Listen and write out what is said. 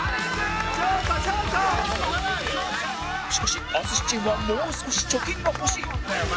しかし淳チームはもう少し貯金が欲しい